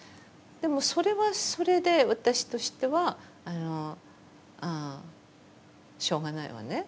でもそれはそれで私としては「ああしょうがないわね」みたいな。